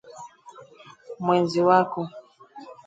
mwenzi wako